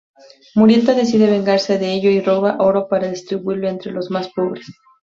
Murieta decide vengarse de ellos y roba oro para distribuirlo entre los más pobres.